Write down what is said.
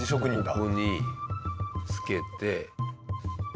ここにつけて。